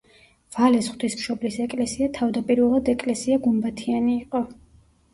ვალეს ღვთისმშობლის ეკლესია თავდაპირველად ეკლესია გუმბათიანი იყო.